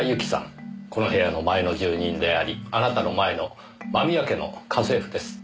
この部屋の前の住人でありあなたの前の間宮家の家政婦です。